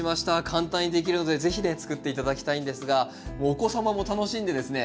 簡単にできるので是非ねつくって頂きたいんですがお子様も楽しんでですね